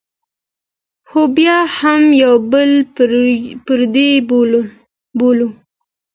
خو بیا هم یو بل پردي بولو.